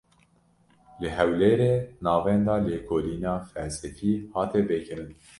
Li Hewlêrê, Navenda Lêkolîna Felsefî hate vekirin